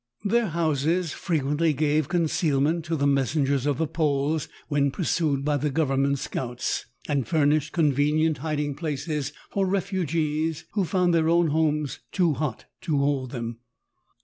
Their houses fre quently gave eoneealment to the messengers of the Poles when pursued by the government seouts, and furnished eonvenient hiding plaees for ref ugees, who found their own homes too hot to hold them.